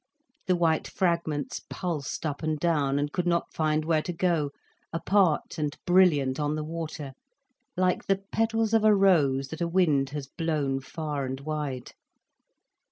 The white fragments pulsed up and down, and could not find where to go, apart and brilliant on the water like the petals of a rose that a wind has blown far and wide.